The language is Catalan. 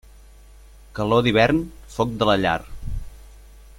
Calor d'hivern, foc de la llar.